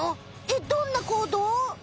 えっどんな行動？